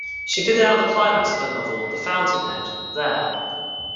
She figured out the climax of her novel "The Fountainhead" there.